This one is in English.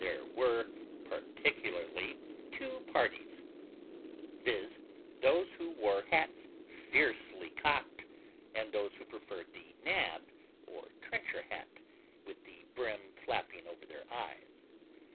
There were particularly two parties, viz., those who wore hats FIERCELY cocked, and those who preferred the NAB or trencher hat, with the brim flapping over their eyes.